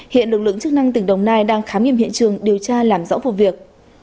hiện lực lượng chức năng tỉnh đồng nai đang khám nghiệm hiện trường điều tra làm rõ vụ việc